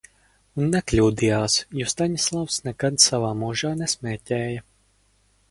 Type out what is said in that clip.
Un nekļūdījās, jo Staņislavs nekad savā mūžā nesmēķēja.